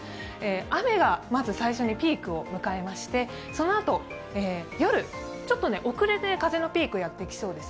雨がまず最初にピークを迎えましてそのあと、夜、ちょっと遅れて風のピークがやってきそうです。